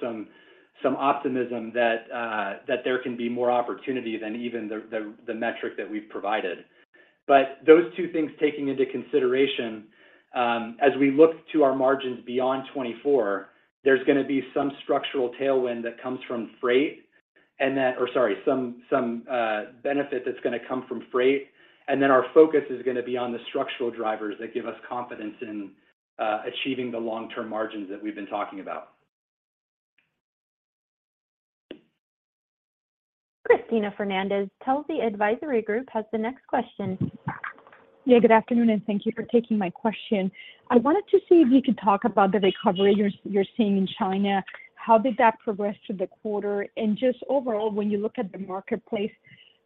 some optimism that there can be more opportunity than even the metric that we've provided. Those two things, taking into consideration, as we look to our margins beyond 2024, there's going to be some structural tailwind that comes from freight, or sorry, some benefit that's going to come from freight. Then our focus is going to be on the structural drivers that give us confidence in achieving the long-term margins that we've been talking about. Cristina Fernández, Telsey Advisory Group has the next question. Yeah, good afternoon, Thank you for taking my question. I wanted to see if you could talk about the recovery you're seeing in China. How did that progress through the quarter? Just overall, when you look at the marketplace,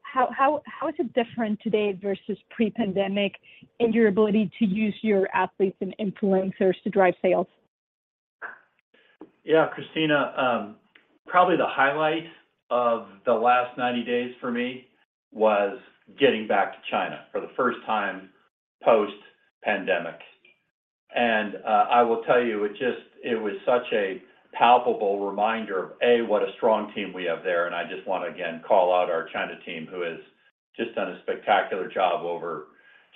how is it different today versus pre-pandemic in your ability to use your athletes and influencers to drive sales? Cristina, probably the highlight of the last 90 days for me was getting back to China for the first time post-pandemic. I will tell you, it was such a palpable reminder of, A, what a strong team we have there. I just want to, again, call out our China team, who has just done a spectacular job over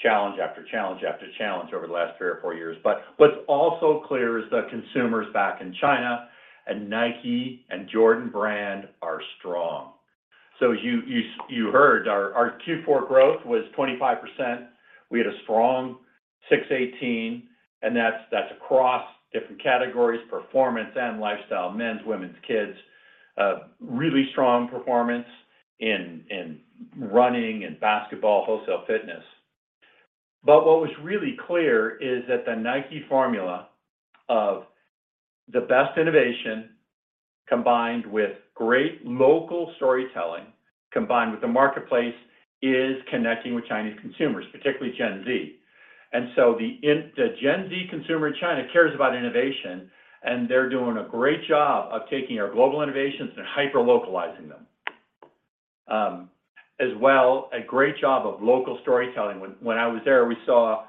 challenge after challenge after challenge over the last three or four years. What's also clear is that consumers back in China and Nike and Jordan Brand are strong. You heard our Q4 growth was 25%. We had a strong 618, and that's across different categories, performance and lifestyle, Men's, Women's, Kids. Really strong performance in Running and Basketball, Wholesale Fitness. What was really clear is that the Nike formula of the best innovation, combined with great local storytelling, combined with the marketplace, is connecting with Chinese consumers, particularly Gen Z. The Gen Z consumer in China cares about innovation, and they're doing a great job of taking our global innovations and hyper localizing them. As well, a great job of local storytelling. When I was there, we saw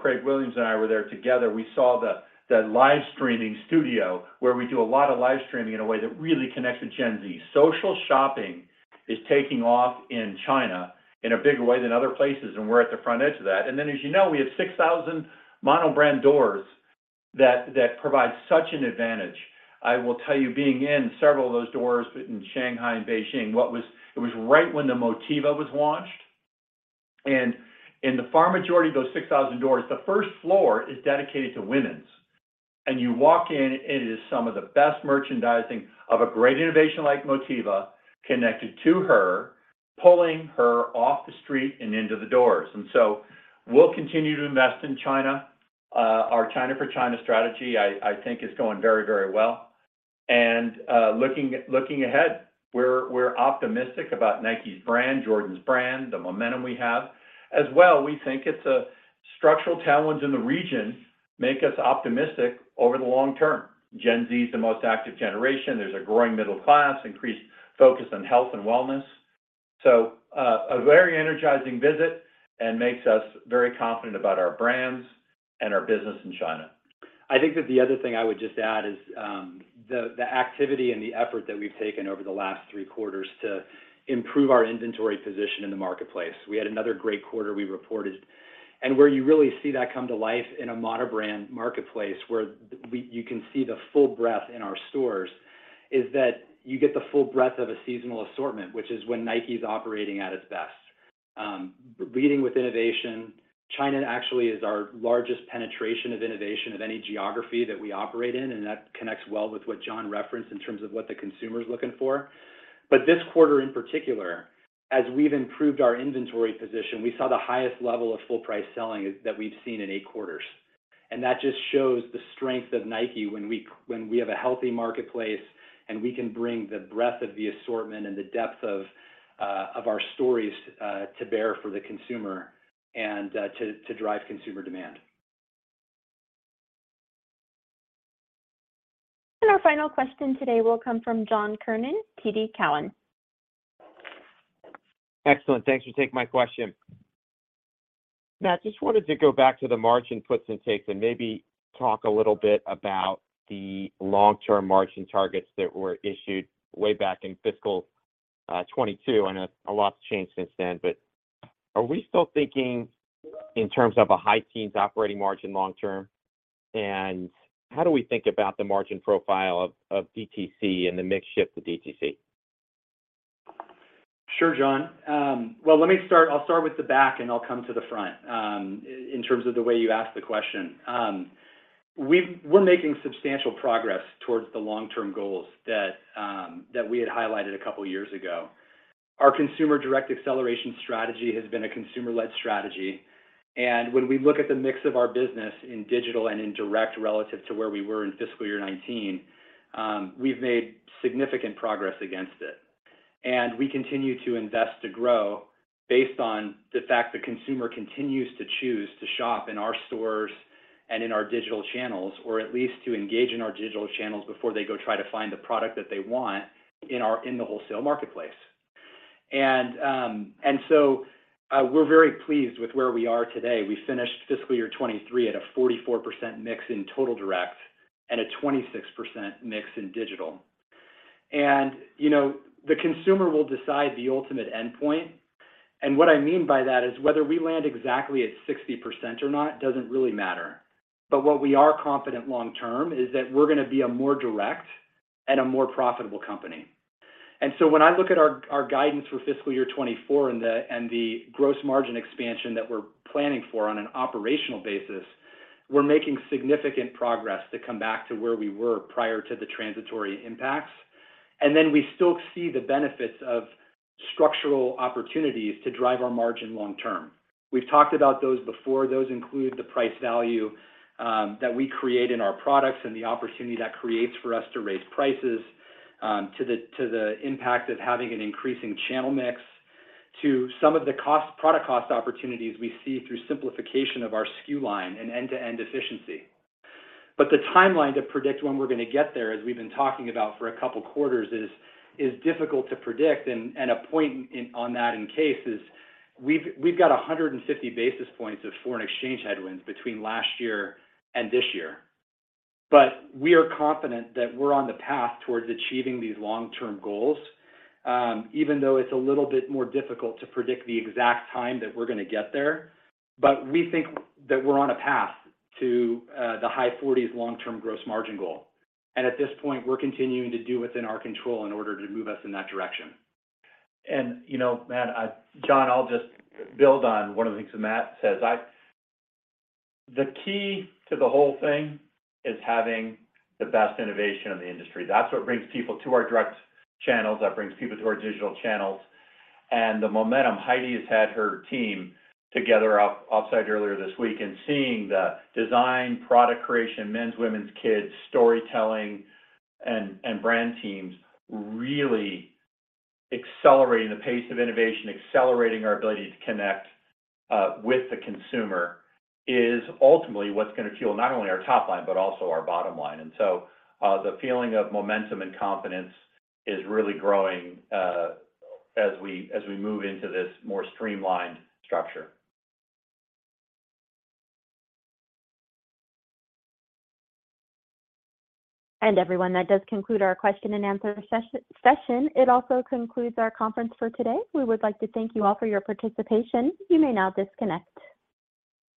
Craig Williams and I were there together. We saw the live streaming studio, where we do a lot of live streaming in a way that really connects with Gen Z. Social shopping is taking off in China in a bigger way than other places, and we're at the front edge of that. Then, as you know, we have 6,000 mono brand doors that provide such an advantage. I will tell you, being in several of those doors in Shanghai and Beijing, it was right when the Motiva was launched. In the far majority of those 6,000 doors, the first floor is dedicated to women's. You walk in, it is some of the best merchandising of a great innovation like Motiva, connected to her, pulling her off the street and into the doors. We'll continue to invest in China. Our China for China strategy, I think, is going very, very well. Looking ahead, we're optimistic about Nike's brand, Jordan's brand, the momentum we have. As well, we think it's a structural tailwinds in the region make us optimistic over the long term. Gen Z is the most active generation. There's a growing middle class, increased focus on health and wellness. A very energizing visit and makes us very confident about our brands and our business in China. I think that the other thing I would just add is the activity and the effort that we've taken over the last three quarters to improve our inventory position in the marketplace. We had another great quarter we reported. Where you really see that come to life in a mono brand marketplace, where you can see the full breadth in our stores, is that you get the full breadth of a seasonal assortment, which is when Nike is operating at its best. Leading with innovation, China actually is our largest penetration of innovation of any geography that we operate in, and that connects well with what John referenced in terms of what the consumer is looking for. This quarter, in particular, as we've improved our inventory position, we saw the highest level of full price selling that we've seen in eight quarters. That just shows the strength of Nike when we have a healthy marketplace, and we can bring the breadth of the assortment and the depth of our stories to bear for the consumer and to drive consumer demand. Our final question today will come from John Kernan, TD Cowen. Excellent. Thanks for taking my question. Matt, just wanted to go back to the margin puts and takes, and maybe talk a little bit about the long-term margin targets that were issued way back in fiscal 22. I know a lot's changed since then, are we still thinking in terms of a high teens operating margin long term? How do we think about the margin profile of DTC and the mix shift to DTC? Sure, John. Well, I'll start with the back, and I'll come to the front, in terms of the way you asked the question. We're making substantial progress towards the long-term goals that we had highlighted a couple of years ago. Our Consumer Direct Acceleration strategy has been a consumer-led strategy, and when we look at the mix of our business in digital and in direct relative to where we were in fiscal year 19. We've made significant progress against it. We continue to invest to grow based on the fact the consumer continues to choose to shop in our stores and in our digital channels, or at least to engage in our digital channels before they go try to find the product that they want in the wholesale marketplace. So, we're very pleased with where we are today. We finished fiscal year 23 at a 44% mix in total direct and a 26% mix in digital. You know, the consumer will decide the ultimate endpoint. What I mean by that is, whether we land exactly at 60% or not, doesn't really matter. What we are confident long term is that we're going to be a more direct and a more profitable company. When I look at our guidance for fiscal year 24 and the gross margin expansion that we're planning for on an operational basis, we're making significant progress to come back to where we were prior to the transitory impacts. We still see the benefits of structural opportunities to drive our margin long term. We've talked about those before. Those include the price value that we create in our products and the opportunity that creates for us to raise prices, to the impact of having an increasing channel mix, to some of the product cost opportunities we see through simplification of our SKU line and end-to-end efficiency. The timeline to predict when we're going to get there, as we've been talking about for a couple quarters, is difficult to predict. A point on that in case is, we've got 150 basis points of foreign exchange headwinds between last year and this year. We are confident that we're on the path towards achieving these long-term goals, even though it's a little bit more difficult to predict the exact time that we're going to get there. We think that we're on a path to the high 40s long-term gross margin goal. At this point, we're continuing to do what's in our control in order to move us in that direction. You know, Matt, John, I'll just build on one of the things that Matt says. The key to the whole thing is having the best innovation in the industry. That's what brings people to our direct channels, that brings people to our digital channels. The momentum, Heidi has had her team together offsite earlier this week, and seeing the design, product creation, men's, women's, kids, storytelling, and brand teams really accelerating the pace of innovation, accelerating our ability to connect with the consumer, is ultimately what's going to fuel not only our top line, but also our bottom line. The feeling of momentum and confidence is really growing as we move into this more streamlined structure. Everyone, that does conclude our question and answer session. It also concludes our conference for today. We would like to thank you all for your participation. You may now disconnect.